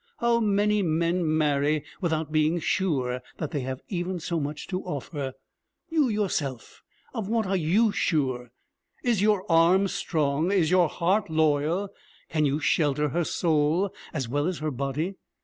How many men marry without being sure that they have even so much to offer? You yourself, of what are you sure? Is your arm strong? Is your heart loyal? Can you shelter her soul as well as her body?